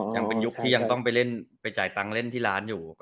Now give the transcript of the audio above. ยังเป็นยุคที่ต้องไปจ่ายตังค์เล่นที่ร้านอยู่